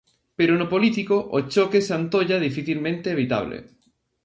Pero no político, o choque se antolla dificilmente evitable.